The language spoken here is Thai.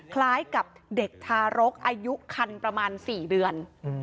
คล้ายกับเด็กทารกอายุคันประมาณ๔เดือน